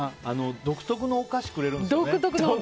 独特のお菓子くれるんですよね。